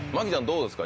どうですか？